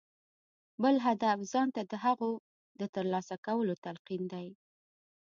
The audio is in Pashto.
بل هدف ځان ته د هغو د ترلاسه کولو تلقين دی.